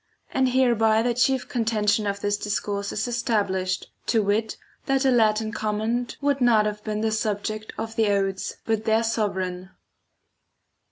And hereby the chief contention of this discourse is established, to wit that a Latin comment would not have been the subject of the odes but their sovran.